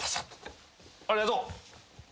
「ありがとう」